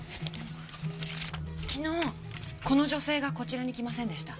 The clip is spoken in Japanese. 昨日この女性がこちらに来ませんでした？